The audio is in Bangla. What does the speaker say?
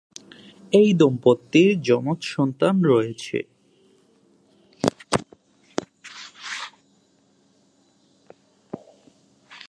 এই দম্পতির যমজ সন্তান রয়েছে।